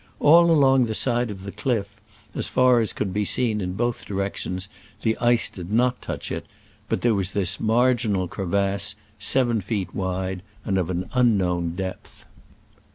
All along the side of the cliff, as far as could be seen in both directions, the ice did not touch it, but there was this marginal crevasse, seven feet wide and of unknown depth.